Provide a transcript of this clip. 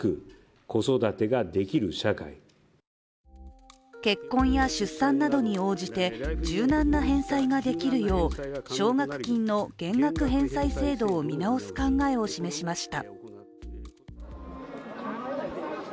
岸田総理は結婚や出産などに応じて柔軟な返済が出来るよう奨学金の減額返済制度を見直す考えを示しました。